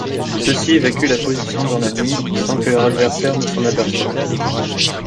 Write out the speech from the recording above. Ceux-ci évacuent la position dans la nuit, sans que leurs adversaires ne s'en aperçoivent.